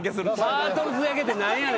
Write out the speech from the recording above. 『タートルズ』焼けって何やねん。